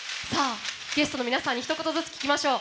ゲストの皆さんにひと言ずつ聞きましょう。